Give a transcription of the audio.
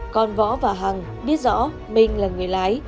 con võ và hằng biết rõ minh là người lái